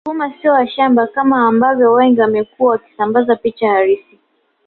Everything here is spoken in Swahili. Wasukuma sio washamba kama ambavyo wengi wamekuwa wakisambaza picha halisi